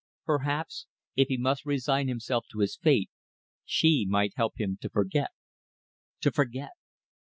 Perhaps if he must resign himself to his fate she might help him to forget. To forget!